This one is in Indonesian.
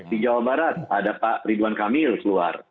di jawa barat ada pak ridwan kamil keluar